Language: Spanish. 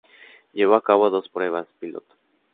Llevó a cabo dos pruebas piloto.